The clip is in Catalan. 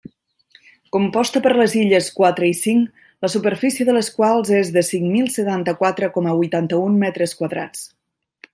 Composta per les illes quatre i cinc, la superfície de les quals és de cinc mil setanta-quatre coma huitanta-un metres quadrats.